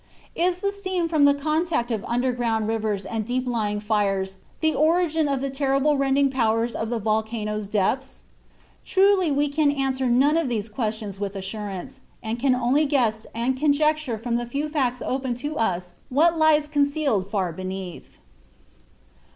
Is the steam from the contact of underground rivers and deep lying fires the origin of the terrible rending powers of the volcano's depths? Truly we can answer none of these questions with assurance, and can only guess and conjecture from the few facts open to us what lies concealed far beneath.